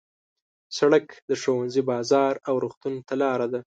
سړک د ښوونځي، بازار او روغتون ته لاره ده.